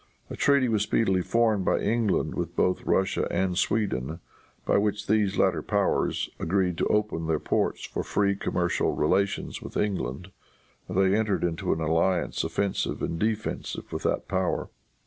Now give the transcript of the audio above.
A treaty was speedily formed by England, with both Russia and Sweden, by which these latter powers agreed to open their ports for free commercial relations with England, and they entered into an alliance offensive and defensive with that power.